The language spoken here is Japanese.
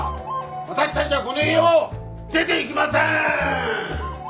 私たちはこの家を出ていきませーん！